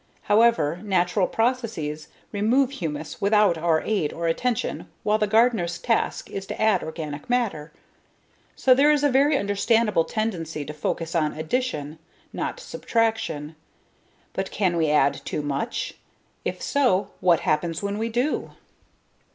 However, natural processes remove humus without our aid or attention while the gardener's task is to add organic matter. So there is a very understandable tendency to focus on addition, not subtraction. But, can we add too much? And if so, what happens when we do?